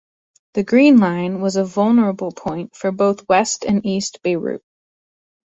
The Green Line was a vulnerable point for both West and East Beirut.